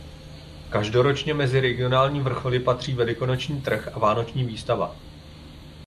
Každoročně mezi regionální vrcholy patří velikonoční trh a vánoční výstava.